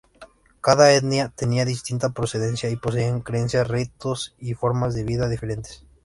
Cada etnia tenia distinta procedencia y poseían creencias, ritos y formas de vida diferentes.